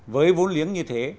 với vốn liếng như thế